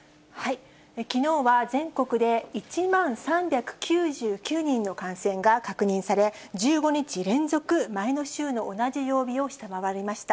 きのうは全国で１万３９９人の感染が確認され、１５日連続、前の週の同じ曜日を下回りました。